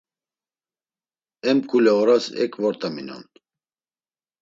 En mǩule oras ek vort̆aminon.